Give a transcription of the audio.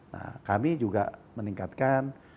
nah kami juga meningkatkan